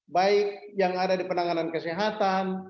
baik yang ada di penanganan kesehatan